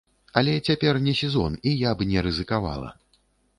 Але цяпер не сезон, і я б не рызыкавала.